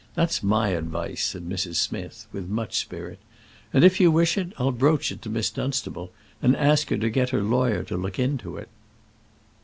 That's my advice," said Mrs. Smith, with much spirit; "and if you wish, I'll broach it to Miss Dunstable, and ask her to get her lawyer to look into it."